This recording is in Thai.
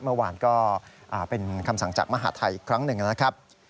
เมื่อวานก็เป็นคำสั่งจากมหาทัยอีกครั้งหนึ่งนะครับ